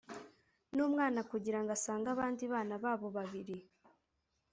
N umwana kugira ngo asange abandi bana babo babiri